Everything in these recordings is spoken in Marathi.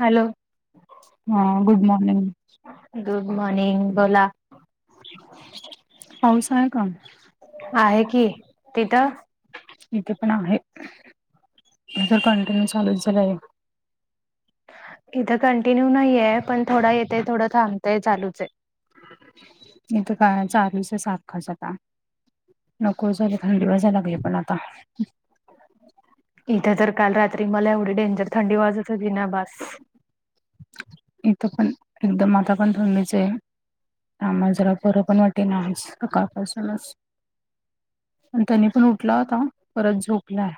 हॅलो. हां गुंड मॉर्निंग. गुंड मॉर्निंग बोला. पाऊस आहे कां? आहे की, तिथं? ईथे पणं आहे, हित कंटिन्यू चालूचं झालंय. इथं कंटिन्यू नाहीये पणं थोडा येतय थोडं थांबतय चालूच आहे. इथं काय चालूचं हाय सारखा सकाळ नको झालं थंडी वाजांयला लागली पणं आता. इथे तरं काल रात्री मला एवढी डेंजर थंडी वाजत होती नां बास. इथं पणं एकदंम आता पणं थंडीचं आहे. त्यांमुळे जरा बरं पणं वाटेनां आज सकाळपासूनचं. आणि त्यांनी पणं उठला होता परतं झोपलाय.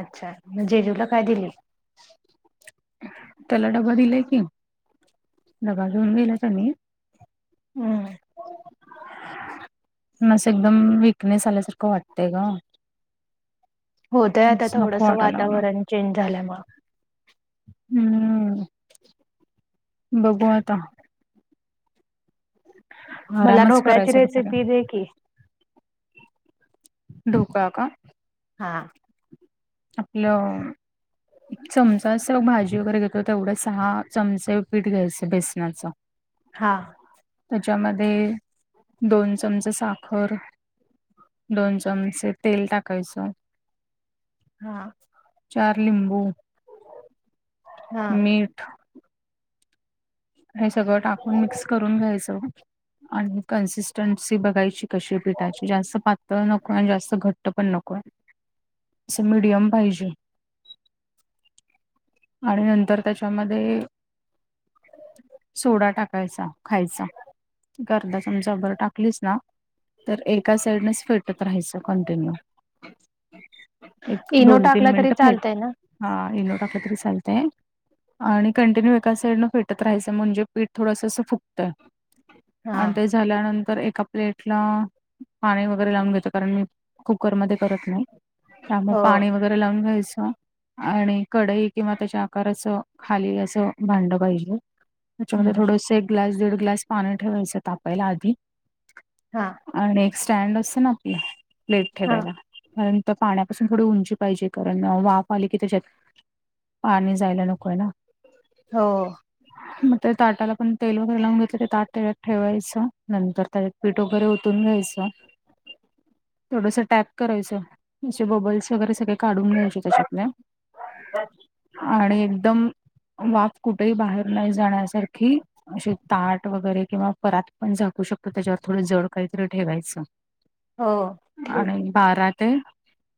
अच्छा मगं जेजूला कायं दिले? त्यांला डब्बा दिलाय की डब्बा घेऊन गेला त्यांनी. हम्मं. [unintelligible] अस एकदंम विकनेस आल्यासारखं वाटतंय गं. होतय आता नको थोडस वाटायला लागलं वातावरण चेंज झाल्यामुळ. हम्म. बघू आता. मला आरामच ढोकळ्याची करायचा रेसिपी दुपारी दे की. ढोकळा का? हा. आपलं चमचा अस भाजी वगैरे घेतो तेवढं सहा चमचे पीठ घ्यायचं बेसनाचं. [inaudible] हा. त्याच्यामध्ये दोन चमचे साखर दोन चमचे तेल टाकायचं. हा. चार लिंबू, हा मीठ हे सगळं टाकून मिक्स करून घ्यायचं. आणि कन्सिस्टन्सी बघायची कशी येते पिठाची जास्त पातळ नको आणि जास्त घट्ट पण नकोय. आस मिडियम पाहिजे. आणि नंतर त्याच्यामध्ये अअ सोडा टाकायचा खायचा. आर्धा चमचाभर टाकलीस ना तर एका साईडनेच फेटत राहायच कंटिन्यू एक इनो दोन टाकला तीन तरी मिनट फेट चालतय ना हा इनो टाकला तरी चालतय. आणि कंटिन्यू एका साईडन फेटत राहायच म्हणजे पीठ थोडस अस फुगत. हा आणि ते झाल्यानंतर एका प्लेटला पाणी वगैरे लावून घ्यायच कारण मी कुकरमध्ये करत नाही. त्यामुळे हो पाणी वगैरे लावून घ्यायच आणि कढई किंवा त्याच्या आकारच खाली अस भांड पाहिजे त्याच्यामध्ये हम्म थोडस एक ग्लास दीड ग्लास पाणी ठेवायच तापायला आधी. हा. आणि एक स्टँड असत ना आपल प्लेट हा ठेवायला. कारण तर पाण्यापासून थोडी उंची पाहिजे कारण वाफ आली की त्याच्यात पाणी जायला नकोय ना? हो. [inaudible] मग ते ताटाला पण तेल वगैरे लावून घेतल ते ताट त्यायात ठेवायच नंतर त्याच्यात पीठ वगैरे ओतून घ्यायच. थोडस टॅप करायच असे बबल्स वगैरे सगळे काढून घ्यायचे त्याच्यातले आणि एकदम वाफ कुठेही बाहेर नाही जाण्यासारखी असे ताट वगैरे किंवा परात पण झाकू शकतो त्याच्यावर थोड जड काहीतरी ठेवायच. हो ठेव आणि. बारा ते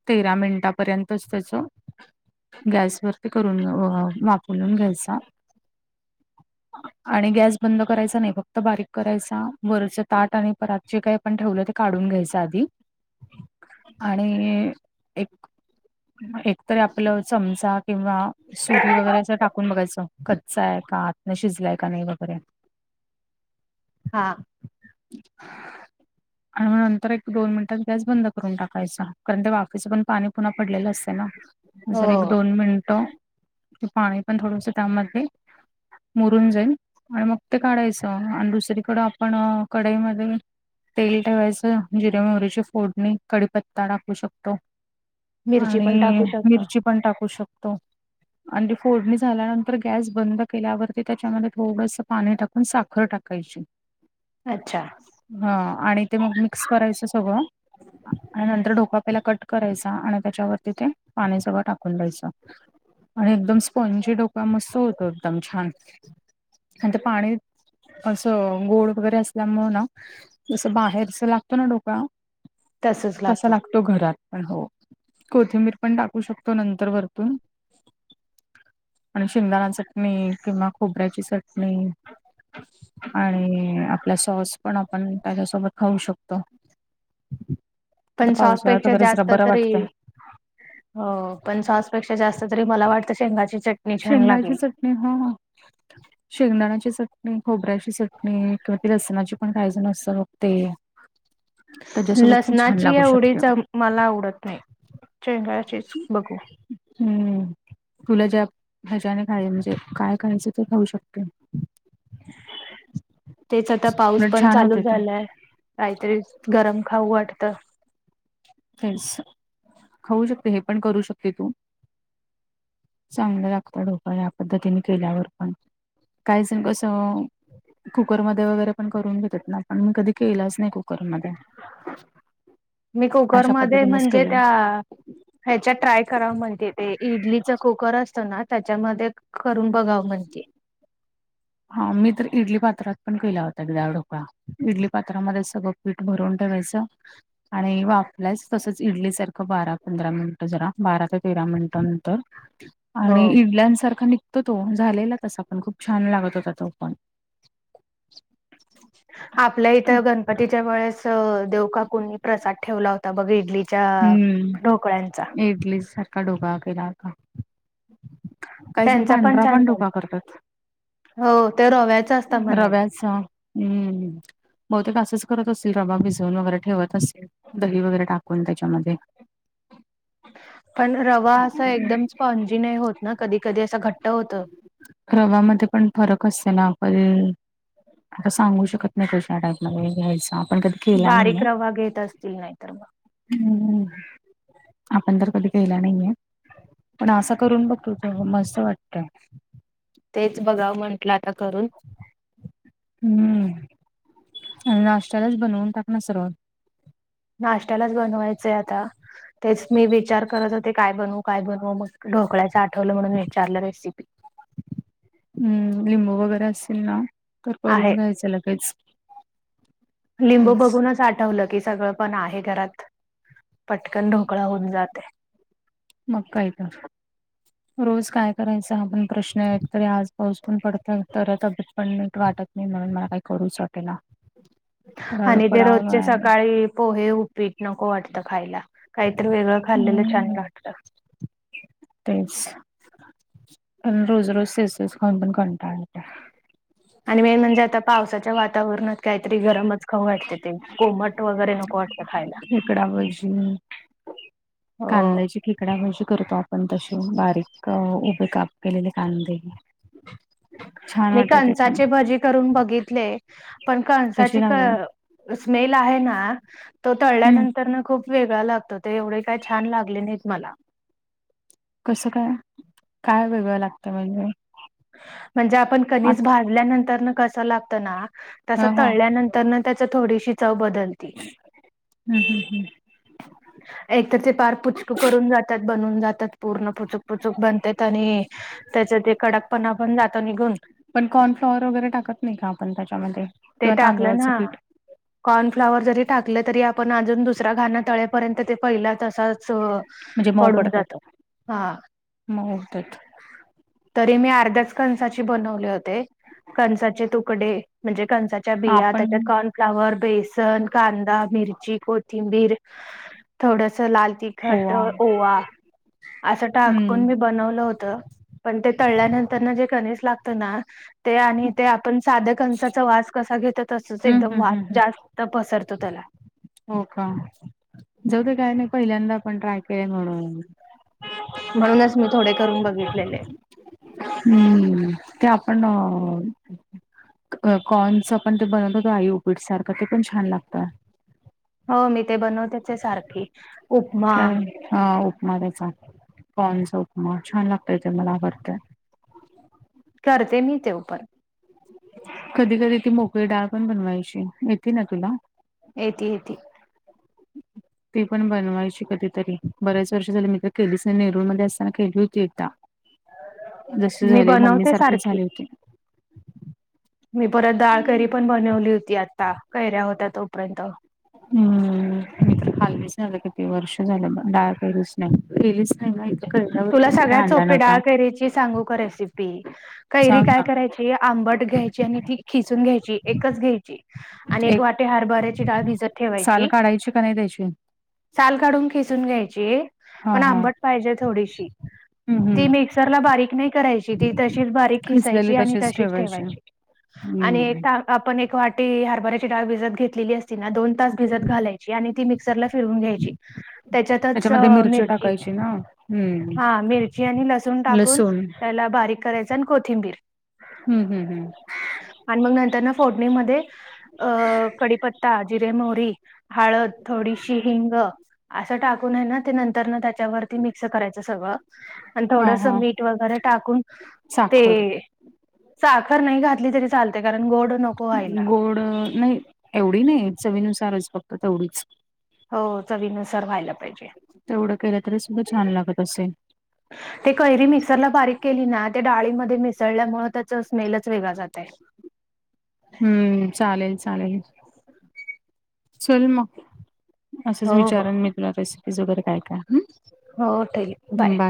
तेरा मिनिटापर्यंतच त्याच गॅसवर ते करून व वाफलून घ्यायचा. आणि गॅस बंद करायचा नाही फक्त बारीक करायचा वरच ताट आणि परातचे काय आपण ठेवल ते काढून घ्यायच आधी आणि एक एकतरी आपल चमचा किंवा सुरी वगैरे अस टाकून बघायच कच्चा आहे का आतन शिजलाय का नाही वगैरे. हा. [inaudible] आणि मग नंतर एक दोन मिनिटात गॅस बंद करून टाकायचा कारण ते वाफीच पण पाणी पुन्हा पडलेल असते ना? हो जरा एक दोन मिनट ते पाणी पण थोडस त्यामध्ये मुरून जाईल आणि मग ते काढायच आणि दुसरीकड आपण कढाईमध्ये तेल ठेवायच जिऱ्या मोहरीची फोडणी कडीपत्ता टाकू शकतो. मिरची आणि पण टाकू शकतो मिरची पण टाकू शकतो. आणि ती फोडणी झाल्यानंतर गॅस बंद केल्यावरती त्याच्यामध्ये थोडस पाणी टाकून साखर टाकायची. [inaudible] अच्छा हा आणि ते मग मिक्स करायच सगळ आणि नंतर ढोका पहिले कट करायचा आणि त्याच्यावरती ते पाणी सगळ टाकून द्यायच. आणि एकदम स्पोंजी ढोकळा मस्त होतो एकदम छान आणि ते पाणी अस गोड वगैरे असल्यामुळ ना जस बाहेरच लागतो ना ढोकळा तसच तसा लागतं लागतो घरात पण हो कोथिंबीर पण टाकू शकतो नंतर वर तुन आणि शेंगदाणा चटणी किंवा खोबऱ्याची चटणी आणि आपला सॉस पण आपण त्याज्यासोबत खाऊ शकतो. आता पण सॉस पावसाळ्यात पेक्षा वगैरे जरा जास्त बरं तरी वाटतंय हो पण सॉस पेक्षा जास्त तरी मला वाटत शेंगाची चटणी छान शेंगाची लागेल. चटणी हं हं शेंगदाणाची चटणी खोबऱ्याची चटणी किंवा ती लसनाची पण काही जन असतं बघ ते [inaudible] त्याच्यासोबत पण छान लसणाची लागू एवढी शकते चम मला आवडत नाही शेंगाचीच बघू हम्म तुला ज्या ह्याज्यान काय म्हणजे काय करायचं ते खाऊ शकते. तेच आता पाऊस उलट पण छान चालू होते ते झालाय. कायतरी गरम खाऊ वाटतं. तेच खाऊ शकते हे पण करू शकते तू चांगलं लागतं डोकळा या पद्धतीनी केल्यावर पण काहीजण कसं कुकरमध्ये वगैरे पण करून घेतात ना पण मी कधी केलाच नाय कुकरमध्ये मी कुकर अशा मध्ये पद्धतीनेच म्हणजे केलं त्या ह्याच्यात ट्राय कराव म्हणते ते इडलीच कुकर असतं ना त्याच्यामध्ये करून बघावं म्हणते. हा मी तर इडली पात्रात पण केला होता [unintelligible] ढोकळा. इडली पात्रामध्ये सगळं पीठ भरून ठेवायचं. आणि वापल्यास तसंच इडलीसारखं बारा पंधरा मिनिटं जरा बारा ते तेरा मिनिटानंतर हो आणि इडल्यांसारखा निघतो तो झालेला तसा पण खूप छान लागत होता तो पण आपल्या इथं गणपतीच्या वेळेस देव काकुणीनी प्रसाद ठेवला हो ता बघ इडलीच्या हम्म ढोकळ्यांचा इडली सर कडू का केला का काही जण त्यांचा पांढरा छान पण डोकळा झाला करतात. हो त्य रव्याच अस रव्याचा अम्म बहुतेक असंच करत असतील रवा भिजवून वगैरे ठेवत असतील दही वगैरे टाकून त्याच्यामध्ये [inaudible] पण रवा असं एकदम स्पॉनजी नाय होत ना कधी कधी असा घट्ट होत. रवामध्ये पण फरक असते ना पण आता सांगू शकत नाय कशा टाईप मध्ये घ्यायचा. कधी केला बारीक रवा घेत असतील नाय तर म हम्मं आपणंतर कधी केला नाहीेये. पण असा करून बघ तु तो मस्त वाटत. तेच बघावं म्हंटलं आता करून हम्म आणि नाष्ट्यालाच बनवून टाक नं सरल नष्ट्यालाच बनवायचंय आता तेच मी विचार करत होते काय बनवू काय बन हो मग ढोकळ्याचं आठवलं म्हणून विचारलं रेसि हम्म लिंब वगैरे असल ना तर आहे करून घ्यायचं लगेच. लिंब तेच बघूनच आठवलं की सगळं पण आहे घरात. पटकन ढोकळा होऊन जाते. मग काय तर रोज काय करायचं आ बी प्रश्न एक तरी आज पाऊस पण पडतय तर तब्येत पण नीट वाटत नाय म्हणून मला काही करूच वाट केला आणि ते रोजचे सकाळी पोहे उपीट नको वाटत खायला कायतर वेगळं खाल्लेलं छान हम्म लागत. तेच आणि रोज रोज तेच तेच खाऊन पण कंटाळा येतो. आणि मेन म्हणजे आता पावसाच्या वातावरणात काहीतरी गरमच खाऊ वाटते तेथील कोमट वगैरे नको वाटतं खायला. खेकडाभजी हो कांद्याची खेकडा भजी करतो आम्ही पण तसे बारीक उभे काप केलेले कांदे छान मी वाटत ते पण कंसाचे भजी करून बघितले पण कशी कंसाची क लागले स्मेल आहे ना तो हम्म तळल्यानंतर ना खूप वेग ळा लागतो ते एवढे काय छान लागले नाहीत मला कसं काय काय वेगळं लागतं म्हणजे म्हणजे आपण कणीस आता भाजल्यानंतर कस लागत ना ह तस ह तळल्यानंतर त्याच थोडीशी चव बदलती. हम्म! एकतर ते पार पुचक करून जातात बनून जातात पूर्ण पुचूक पुचूक बनतात आणि त्याच्या ते कडकपणा पण जातो निघून पण कॉर्नफ्लॉवर वगैरे टाकत नाही का आपण त्याच्यामध्ये ते किंवा टाकलं तांदळाचं ना पीठ. कॉर्नफ्लाॉवर जरी टाकलं तरी आपण अजून दुसरा घाण पर्यंत ते पहिला तसाच पडून राहत हा. मुहूर्तत! तरी मी अर्ध्याच कनसाचे बनवले होते कनसाचे तुकडे म्हणजे कनसा त्या बिया आपण आता कॉर्न फ्लावर बेसन कांदा मिरची कोथिंबीर थोडस लाल तिख खट ओवा ओवा असं हम्म टाकून मी बनवलं होतं. पण ते तळल्यानंतर ना जे कनिस लागत ना ते आणि ते आपण साध्या कणसाचा वास कसा घेतो तसच हम्म एकदम हम्म वास हम्म हम्म जास् त पसरतो त्याला हो का जाऊ दे काय नाही पहिल्यांदा आपण ट्राय केले म्हणून म्हणूनच मी थोडे करून बघितलेले. हम्म, ते आपण कॉर्नच पण ते बनवत होतो आई उपीट सारखं ते पण छान लागतं. हो मी ते बनवतेच आहे सारखी उपमा काय हा उपमा त्याचा कॉर्नचा उपमा छान लागतोय ते मला आवडतय. करते मी तो‌ पण. कधी तरी ती मोकळी डाळ पण बनवायची येते ना तुला? येती येती. ती पण बनवायची कधीतरी बरेच वर्ष झाली मी तर केलीच नाही नेरूळ मध्ये असताना केली होती एकदा जसे मी झाले मम्मी बनवते सारखेच सारखी. झालं होती. मी परत डाळ करी पण बनवली होती आता कैऱ्या होत्या तोपर्यंत. हम्म! खालीच नाही ग किती वर्ष झालं डाळ करीच नाही केेलीच नाही बाई. तुला सगळ्यात सोपी डाळ करीची सांगू का रेसिपी कैरी सांग काय ना करायची ती आंबट घ्यायची आणि ती खिचून घ्यायची एकच घ्यायची आणि एक वाटी हरभऱ्याची डाळ भिजत ठेवायची. साल काढायची का नाही त्याची साल काढून किसून घ्यायची हा पण हा आंबट पाहिजे थोडीशी हम्म ती हम्म मिक्सरला बारीक नाही करायची ती तशीच बारीक खिसायची आणि तशीच ठेवायची हम्म ते आपण एक वाटी हरभराची डाळ भिजत घेतलेली असती ना दोन तास भिजत घालायची आणि ती मिक्सर ला फिरवून घ्यायची. त्याच्यातच मिरची ते ना हम्म हा मिरची आणि लसूण टाकून लसूण त्याला बारीक करायच आणि कोथिंबीर हम्म-हम्म-हम्म आणि मग नंतर ना फोडणीमध्ये अ कडीपत्ता, जिरे, मोहरी हळद थोडीशी हिंग असं टाकून आहे ना ते नंतर ना त्यांच्यावर असं करायचं सगळं आणि हा थोडस हा मीठ वगैरे टाकून ते साखर साखर नाही घातली तरी चालतंय कारण गोड नक गोड नाही एवढी नाही चवीनुसारच फक्त तेवढीच हो चवीनुसार व्हायला पाहिजे. तेवढं केलं तरी सुद्धा छान लागत असेल. [inaudible] ते कैरी मिक्सरला बारीक केली ना ते डाळीमध्ये मिसळल्यामुळे त्याच स्मेलच वेगळं जातय. हम्म चालेल-चालेल चल मग असंच हो हो विचारेन मी तुला रेसिपीज वगैरे काय काय हम्म हो ताई बाय.